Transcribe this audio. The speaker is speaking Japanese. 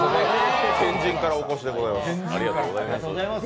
天神からお越しでございます。